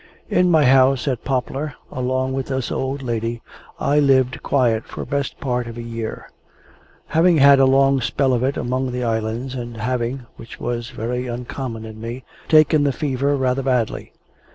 In my house at Poplar, along with this old lady, I lived quiet for best part of a year: having had a long spell of it among the Islands, and having (which was very uncommon in me) taken the fever rather badly.